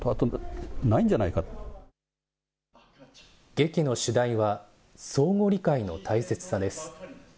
劇の主題は、相互理解の大切さです。